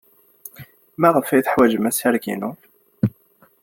Maɣef ay teḥwajem assireg-inu?